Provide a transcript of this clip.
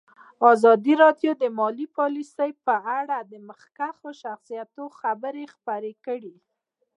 ازادي راډیو د مالي پالیسي په اړه د مخکښو شخصیتونو خبرې خپرې کړي.